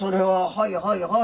はいはいはい。